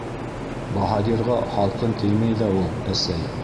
- Баһадирға һалҡын теймәй ҙә ул, әсәй.